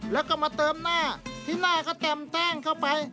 แล้วก็มาเติมหน้าที่หน้าก็เต็มแป้งเข้าไป